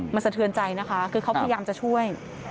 มันสะเทือนใจนะคะคือเขาพยายามจะช่วย